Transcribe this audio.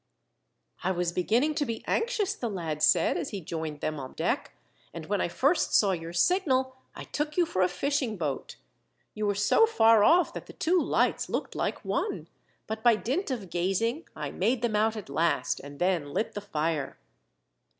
"I was beginning to be anxious," the lad said, as he joined them on deck, "and when I first saw your signal I took you for a fishing boat. You were so far off that the two lights looked like one, but by dint of gazing I made them out at last, and then lit the fire."